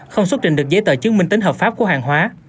không xuất trình được giấy tờ chứng minh tính hợp pháp của hàng hóa